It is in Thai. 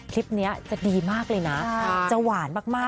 คลิปนี้จะดีมากเลยนะจะหวานมาก